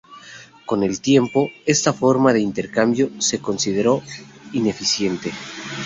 Con el tiempo, esta forma de intercambio se consideró ineficiente.